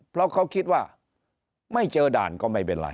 เพราะเขาคิดว่าไม่เจอด่านก็ไม่เป็นไร